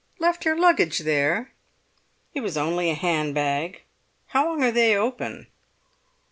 "Left your luggage there?" "It was only a handbag. How long are they open?"